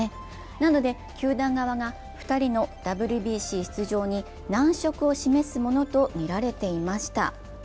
なので球団側が２人のＷＢＣ出場に難色を示すものとみられていました。